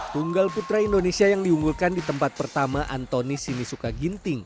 tunggal putra indonesia yang diunggulkan di tempat pertama antoni sinisuka ginting